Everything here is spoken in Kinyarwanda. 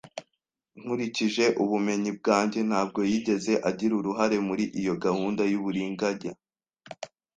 Nkurikije ubumenyi bwanjye, ntabwo yigeze agira uruhare muri iyo gahunda y'uburiganya.